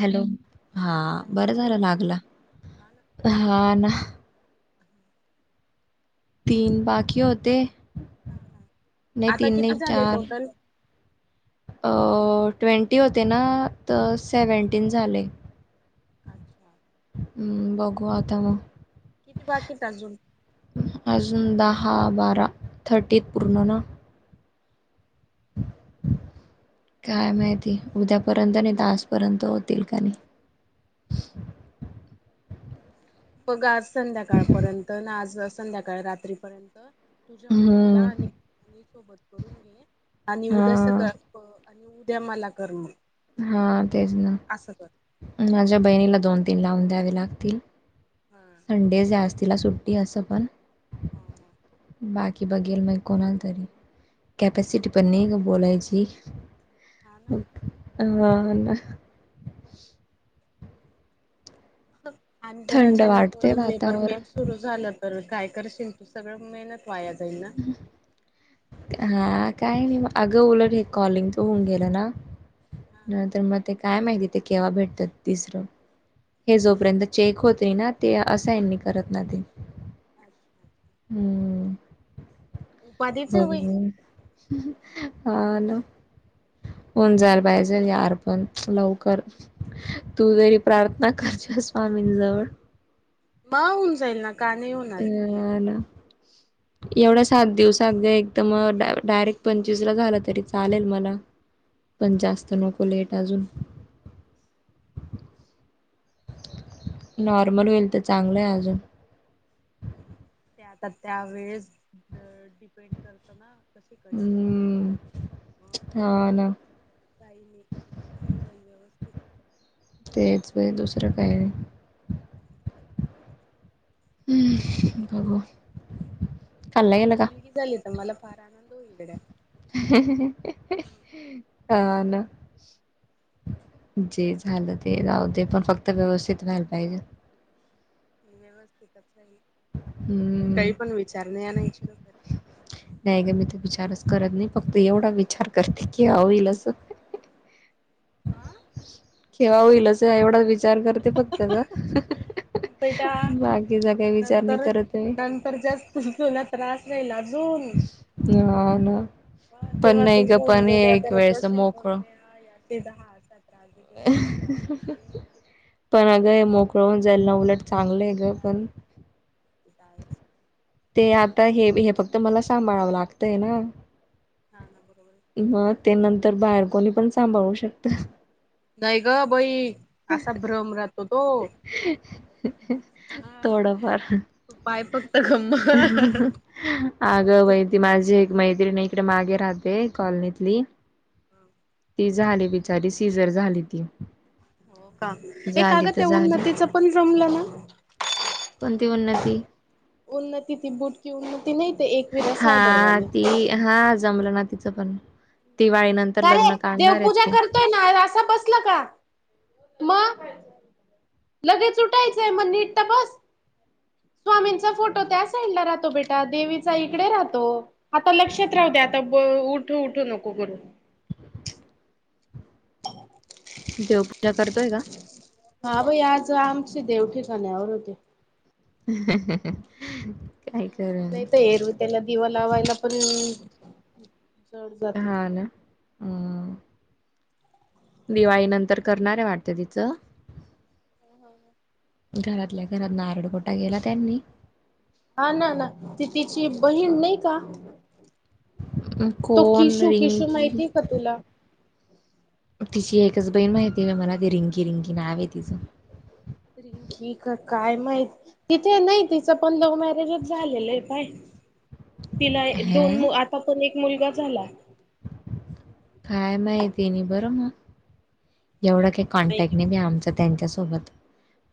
Hello हा हां बरं लागून झालं गेला बाई लागला हा ना हा ना. तीन बाकी होते हा हा नाय आता तीन नाय किती झाले चार टोटल? अ ट्वेंटी होते ना त सेव्हन्टीन झाले. अच्छा हम्म बघू आता म किती बाकी येत अजून अजून दहा बारा थर्टीत पूर्ण ना काय माहिती उद्यापर्यंत नायत आजपर्यंत होतील का नाय. बघा आज संध्याकाळपर्यंत ना आज संध्याकाळ रात्रीपर्यंत तुझ्या मम्मीला आणि हम्म आणि सोबत करून घे आणि उद्या हा सकाळ आणि उद्या मला कर म हा तेच ना माझ्या बहिणीला दोन तीन लावून द्यावे लागतील. हा हा संडेज आज तिला सुट्टी असं पण हो हो. बाकी बघेल मग कोणाला तरी कॅपॅसिटी पण नय ग बोलायची. हा ना हा ना आणि जर थंड अचानक वाटते लेबर वातावरण पेनं सुरू झालं तर काय करशील तू सगळं मेहनत वाया जाईल ना हा काय नी म अगं उलट हे कॉलिंग तो होऊन गेलं ना हा नंतर म ते काय माहिती ते केव्हा भेटतात तिसरं हे अच्छा जोपर्यंत चेक होतय ना ते असाइन करत ना ते अच्छा हम्म उपाधीच आहे बाई बघु [unintelligible] हा नं होऊन जायल पाहिजेल यार पण लवकर तू जरी प्रार्थना कर ज्या स्वामींजवळ म होऊन जाईल ना का नाही हो अ हा ना एवढा सात दिवसात ग एकदम डायरेक्ट पंचवीस ला झाला तरी चालेल मला. पण जास्त नको लेट अजून नॉर्मल होईल त चांगलं य अजून ते आता त्या वेळेस ड डीप डीपेंड करत ना कशी कंडिशन राहते हम्म त म हा ना काही नही होऊन जाईल व्यवस्थित. तेच व्हय दुसरं काय नाय. हम्म बघू खाल्ला गेला का मुलगी झाली तर मला फार आनंद होईल गड्या हा ना जे झालं ते जाऊ दे पण फक्त व्यवस्थित व्हायला पाहिजेल. व्यवस्थितच होईल ते हम्म काही पण विचार नही आणायचे डोक्यात. नाही ग मी ते विचारच करत नाही फक्त एवढा विचार करते की अ होईल असं आं केेव्हा होईल अस एवढा विचार करते फक्त ग बेटा बाकीचा काय विचार नाही करत मी तर जास्त ठेवाला त्रास राहील अजून हा ना ह पण तेव्हा नाही ग पण एक वेळेचा मोकळ हा यार ते त दहा असां त्रास देते अशी त्रास देते. पण अग हे मोकळ होऊन जाईल ना उलट चांगलं आहे ते ग त हाय पण ते त हायेच ते आता हे हे फक्त मला सांभाळावं लागतंय ना हा ना बरोबरये मग ते नंतर बाहेर कोणी पण सांभाळू शकत. नाही ग बई असा भ्रम राहतो तो. [inaudible] हू पाय फक्त खममा- हहाहा. आगं बाई! ती माझी एक मैत्रिणी इकडे मागे राहते कॉलनीतली- हम ते झाले बिचारी सीझर झाली ती- का ये झाली काग तर ते झाली. उन्नतीच पण जमलं ना. कोणती उन्नती? उन्नती ती बुटकी उन्नती नाही ते एक- हा ती हा जमलं ना तिचं पण दिवाळीनंतर- तर का रे लग्न काढणार आहेत देवपूजा ते- करतोय ना असा बसला का? मग- लगेच उठायचंय मग नीट त बस. स्वामींचा फोटो त्या साईड ला राहतो बेटा देवीचा इकडे राहतो. आता लक्षात राहू दे आता उठ उठू नको करू. देवपूजा करतोय का? हा बाई आज आमचे देव ठिकाण्यावर होते. हहहह [unintelligible] नाही तर एरवी त्यांना दिवा लावायला पण- जड जात. हां ना. हम्म दिवाळी नंतर करणार आहे वाटतं तिचं- [inaudible] घरातल्या घरात नारडपोटा गेला त्यांनी- हा ना ना ती तिची बहीण नाही का- मग तो कोण किशू किशू रिंकी माहिती आहे का तुला? तिची एकच बहीण माहिती मला ते रिंकी रिंकी नाव आहे तिचं. की का काय माहित तिथे नाही तिचं पण - झालेलं आहे पाय तिला हं दोन आता पण एक मुलगा झाला. काय माहिती नाही बरं मग एवढा का- काय कॉन्टॅक्ट माहिती नहीं मग बई आमचा त्यांच्यासोबत-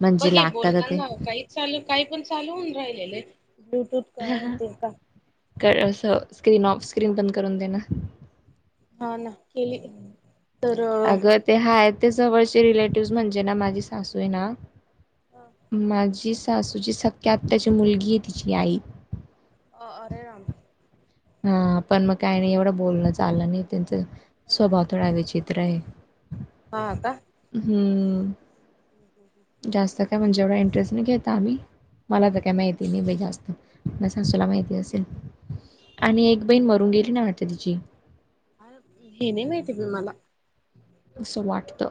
म्हणजे बघे लागतात बोलता ना काही चालू काही पण चालू होऊन राहिलेले ब्लूटूथ- काय ते का अस स्क्रीन ऑफ स्क्रीन बंद करून देण- हा ना केले. अगं ते हाय ते जवळचे रिलेटिव्ह म्हणजे ना माझी सासू आहे ना- माझी सासूची सख्या आत्याची मुलगी आहे तिची आई- [unintelligible] हा पण मग काही नाही एवढं बोलणं चाललं नाही त्यांचं- स्वभाव थोडा विचित्र हा का हम्म. जास्त काय म्हणजे एवढा इंटरेस्ट नाही घेता आम्ही- मला तर काय माहिती नाही बाई जास्त मा़्या सासूला माहिती असेल. आणि एक बहीण मरून गेली ना वाटत तिची. हे नाही माहिती बई मला. असं वाटत.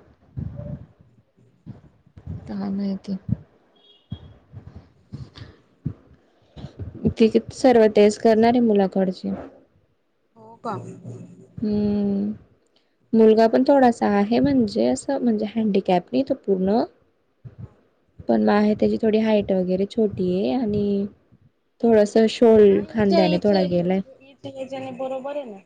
काय माहिती. ती सर्व तेच करणारै मुलाकडचे- हो का? हम्म मुलगा पण चांगलं थोडासा- आहे म्हणजे असं म्हणजे हँडीकॅप नाही तो पूर्ण- पण आहे त्याची थोडी हाईट वगैरे छोटी आहे आणि- थोडास शोल हा इच्या खांद्याने इच्या थोडा गेलाय. [unintelligible] बरोबर ये ना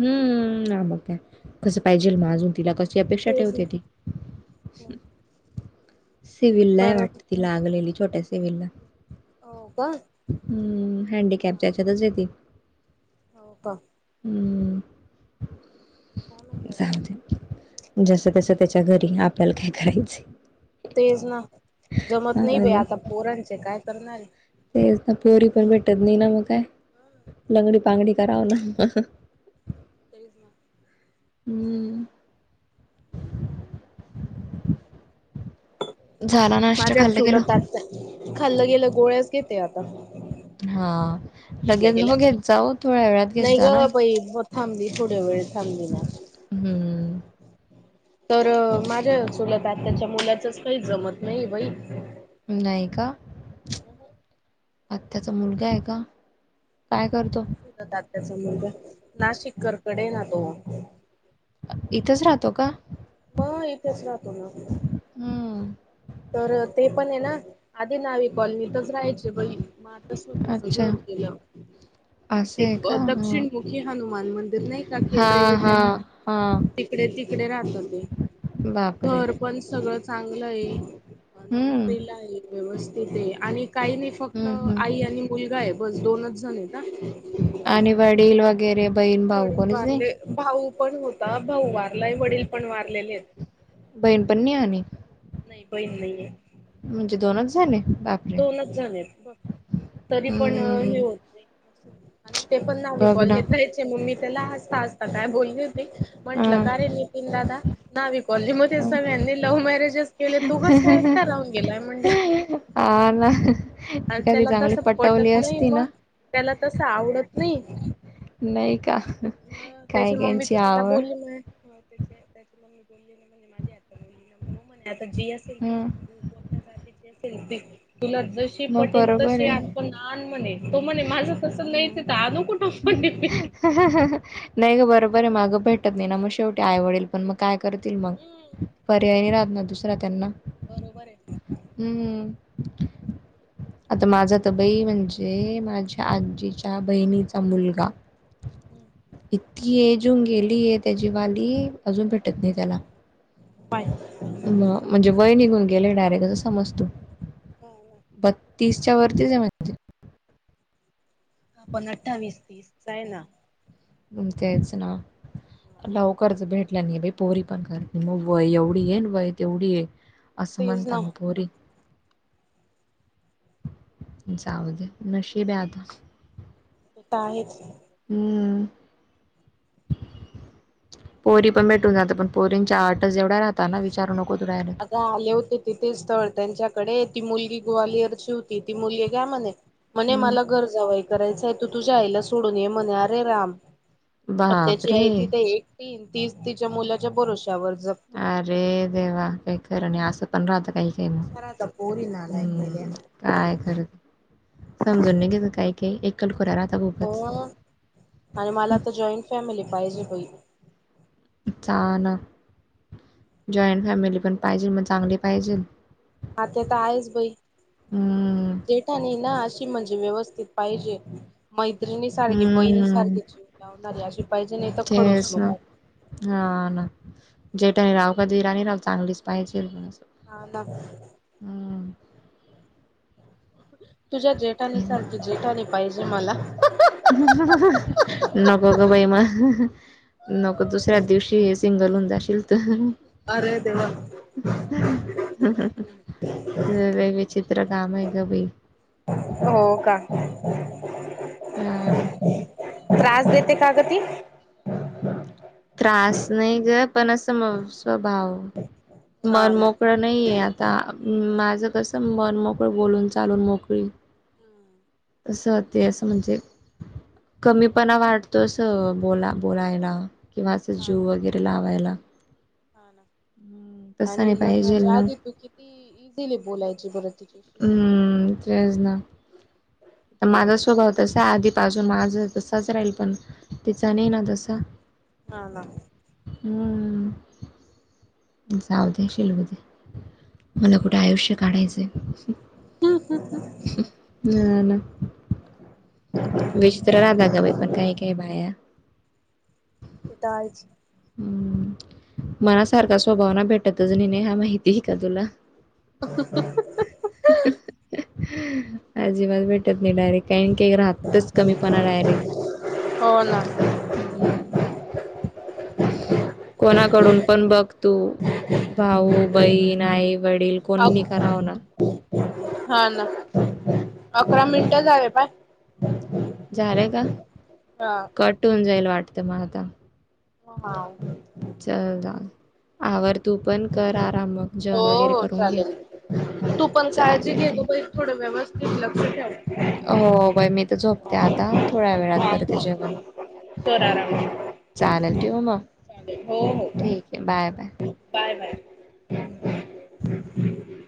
हम्म न मग काय कसं पाहिजेल म अजून तिला कशी अपेक्षा तेच ठेवते ती ना हम् सिविलाय बरोबर वाटत ती लागलेली छोट्या सिविलला हो का? हम्म हँडीकॅपच्याच्यातच ये ती हो का? हम्म काय म्हणते जाऊ अजून दे जस तसं त्याच्या घरी आपल्याला काय करायचय तेच ना जमत नई हा बई ना आता पोरांचे काय करणारे तेच पोरी पण भेटत नाही ना मग काय लंगडी पांगडी करावं ना. तेच ना. हम् गेलं? खाल्लं गेलं गोळ्याच घेते आता. हा घेतल्या लगेच गेल्या नको घेत जाऊ थोड्या वेळात घेत नाही जा ना. ग बाई थांबली थोड्या वेळ थांबली ना. हम्म. तर माझ्या चुलत आत्याच्या मुलाचच काही जमत नाही बाई. नाही का. अ हं. आत्ताचा मुलगा आहे का काय करतो. चुलत आत्याचा मुलगा नाशिक करकडे ना तो. इथंच राहतो का. होय इथेच राहतो ना. हम्म तर ते पण आहे ना आधी नावी कॉलनीतच राहायची बाई. माज स्वतःच अच्छा घर केलं असं ते आहे अ का हा. दक्षिण मुख. हे हनुमान मंदिर नाही का हा केंद्रीय हा विद्यालय. हा तिकडे तिकडे राहतो मी बापरे! घर पण सगळं चांगलं आहे. हम्म. नोकरीला आहे व्यवस्थित आहे आणि काही नाही फक्त हम्म हम्म आई आणि. मुलगा आहे पण दोनच झाले ना. आणि वडील वगैरे. बहीण भाऊ वडील कोणीच नाही? वारले भाऊ पण होता भाऊ वारलाय वडील पण वारलेले आहेत. बहीण पण नाहानी. नाही बहीण नाही आहे. म्हणजे दोनच झाले का. दोनच झाले तरी पण हे हम्म. होते. आणि ते पण नाव्ही बघ ना कॉलनीत आहेत. ते मम्मी त्याला हसता हसता काय बोलली होती म्हंटलं हं का रे नितीन दादा. नाविकॉलनी मध्ये हं सगळ्यांनी लव्ह मॅरेजच केले तू कस का एकट राहून गेलाय म्हणलं. अ ना एखादी त्याला चांगली तसं पटवले पटत नाही असती मग ना. त्याला तसं आवडत नाही. नाही का. ह त्याची काय मम्मी कायची तर त्याला आवड बोलली म त्याचे. त्या मग मी बोलली माझी ह बोलली ना हो म्हणे आता जी असेल हं ती तुला जशी मग पटेल बरोबर तशी आहे पण आन म्हणे तो म्हणे माझं तसं नाहीच आहे त हम्म. तर आनू कुठून म्हणे मी नाही ग बरोबर आहे मागं भेटत नाही ना मग शेवटी आई वडील पण मग काय करतील मग पर्यायी राहत ना दुसरा त्यांना बरोबर आहेन. हम्म, आता माझा तर बई म्हणजे ते माझ्या आजीच्या बहिणीचा मुलगा. इतकी एज होऊन गेलीय त्याची वाली. अजून भेटत नाही त्याला. पाहय. म म्हणजे वय निघून गेलय डायरेक्ट असं समज तू. ब- तीसच्या वरतीच आहे. [unintelligible] आपण अठ्ठावीस, तीस. चा येना. मंग तेच ना. लवकरच भेटलं नाही बा- पोरी पण करता मग वय एवढी ये न वय तेवढी ये. अस तेच म्हणता ना म पोरी. जाऊ दे. नशीब आहे आता. ते तर आहेच. हम्म. पोरी पण भेटून जाता. पण पोरींच्या आटच एवढ्या राहता ना? विचारू नको तु रायला. आता आले होते तिथे स्थळ त्यांच्याकडे ती मुलगी ग्वालियरची होती ती मुलगी काय म्हणे? म्हणे हम्म मला घर जावई करायचाय. तू तुझ्या आईला सोडून ये म्हणे. अरे राम! आ त्याची आई बापरे! तिथ एकटी. न तीच तिच्या मुलाच्या भरोश्यावर जगतीये. अरे देवा! काय खर नाही. असं पण राहत काही. अशा राहता पोरी नालायक मेल्या. काय खरं? समजून बी नाही घेत काही काही. एकल खोऱ्या राह - म. आणि मला त जॉईंट फॅमिली पाहिजे बाई. चा ना जॉईंट फॅमिली पण पाहिजे. पण चांगली पाहिजेल. आ ते तर आहेच बाई. हं, जेठानी ना अशी म्हणजे व्यवस्थित पाहिजे. मैत्रिणी सारखी, बहीणी हं. सारखी जीव लावणारी अशी पाहिजे. नाही तर खडूस नको. हा ना. जेठाणी राहो कि देवरानी राहो चांगलीच पाहिजेल पण अस. हा ना. तुझ्या जेठानी सारखी जेठानी पाहिजे मला. नको ग बाई. म नको दुसऱ्याच दिवशी- सिंगल होउन जाशील तु. अरे देवा! लई बाई विचित्र काम आहे ग बाई. हो का? हो ना. त्रास देते का ग ती? त्रास नाही ग. पण असं स्वभाव, हा मन ना. मोकळ- नाहीये. आता माझं कस मन मोकळं बोलून चालून मोकळी. हम्म. तं ते असं म्हणजे कमीपणा वाटतो. असं बोला बोलायला. किंवा असं हा जीव वगैरे बरोबर लावायला. हा ना. तसं आणि नाही पाहिजेल लग्नाच्या ना आधी तू कि- ती इझिली बोलायची बर तिच्याशी. हम्म. तेच ना. माझा स्वभाव तसाय आधी पासून, माझं तसच राहील पण. तीचा नाही ना तसा. हा ना. हम्म. जाउ दे शिलगू दे. तुला कुठे आयुष्य काढायचंय? [inaudible] हा ना. [inaudible] विचित्र राहतात ग बाई पण काय काय बाया. ते ताज. हम्म मनासारखा स्वभावना भेटतच नि नाहीय हा माहिती ही का तुला. [unintelligible] अजिबात भेटत नाही डायरेक्ट काही काही राहतच कमीपणा डायरेक, हो ना हम्. कोणाकडून पण बघ. तू भाऊ, बहीण, आई, वडील कोणणी कराव ना. हा ना, अकरा मिनिट झाले पाय. झालंय का? हा. कट होऊन जाईल वाटतं म आता. [unintelligible] चला आवर तू पण कर आराम मग हो जेवण वगैरे हो करून घे. चालेल तू पण काळजी घे ग बाई थोडं व्यवस्थित लक्ष ठेव. हो बाई मी तर झोपते आता थोड्या वेळात करते ठेव. जेवण. कर आराम. चालल ठेवू म. चालेल हो हो. ठीक आहे बाय बाय. Bye bye. [inaudible]